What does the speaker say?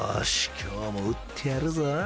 今日も打ってやるぞ］